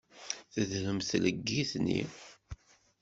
Tedrem tleggit-nni.